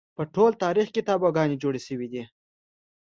په ټول تاریخ کې تابوگانې جوړې شوې دي